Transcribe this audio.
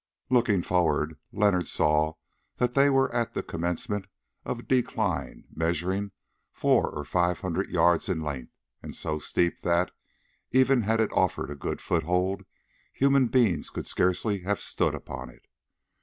Looking forward, Leonard saw that they were at the commencement of a decline measuring four or five hundred yards in length, and so steep that, even had it offered a good foothold, human beings could scarcely have stood upon it.